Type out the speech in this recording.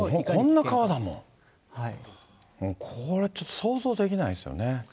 こんな川だもん、もう、これちょっと想像できないですよね。